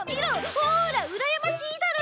ほーらうらやましいだろ！